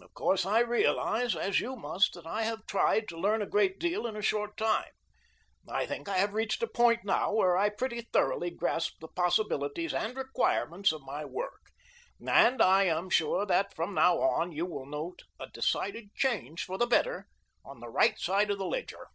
"Of course I realize, as you must, that I have tried to learn a great deal in a short time. I think I have reached a point now where I pretty thoroughly grasp the possibilities and requirements of my work, and I am sure that from now on you will note a decided change for the better on the right side of the ledger."